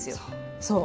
そう。